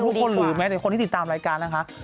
รู้หรือคุณหรือแต่คนที่ติดตามรายการล่ะค่ะ